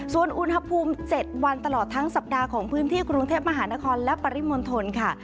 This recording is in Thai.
ส่วนอุณหภูมิ๗วันตลอดทั้งสัปดาห์ของพื้นที่กรุงเทพมหานครและปริมณฑลค่ะ